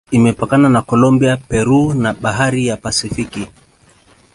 Imepakana na Kolombia, Peru na Bahari ya Pasifiki.